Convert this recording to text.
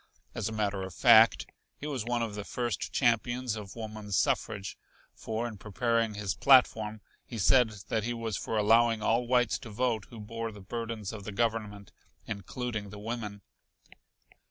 As a matter of fact, he was one of the first champions of woman's suffrage, for in preparing his platform he said that he was for allowing all whites to vote who bore the burdens of the Government, including the women.